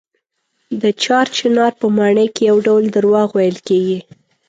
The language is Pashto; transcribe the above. د چار چنار په ماڼۍ کې یو ډول درواغ ویل کېږي.